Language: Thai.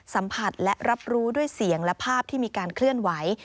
สัมผัสและรับรู้ด้วยเสียงและภาพที่มีการเคลื่อนไหว